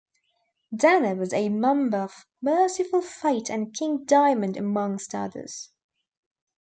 Denner was a member of Mercyful Fate and King Diamond amongst others.